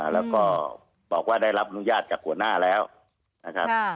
แล้วก็บอกว่าได้รับอนุญาตจากหัวหน้าแล้วนะครับ